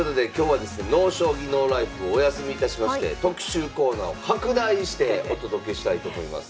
「ＮＯ将棋ＮＯＬＩＦＥ」をお休みいたしまして特集コーナーを拡大してお届けしたいと思います。